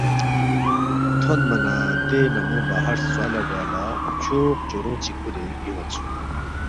تھونما نہ دے نمو باہر ہرژوا لہ گوا لہ چوق چورونگ چی کُھورے بیُون٘یدسُوک